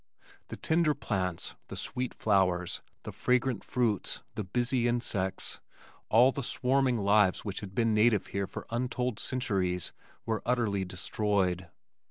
The tender plants, the sweet flowers, the fragrant fruits, the busy insects, all the swarming lives which had been native here for untold centuries were utterly destroyed.